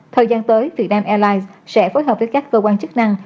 thời gian tới việt nam airlines sẽ phối hợp với các cơ quan chức năng